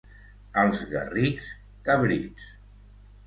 Als Garrics, cabrits.